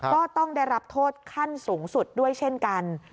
ก็ต้องได้รับโทษขั้นสูงสุดด้วยเช่นกัน